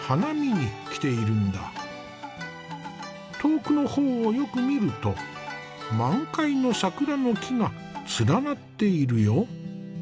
遠くの方をよく見ると満開の桜の木が連なっているよ。